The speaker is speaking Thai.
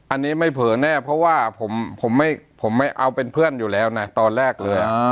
อันนี้ไม่เผลอแน่เพราะว่าผมไม่เอาเป็นเพื่อนอยู่แล้วนะตอนแรกเลย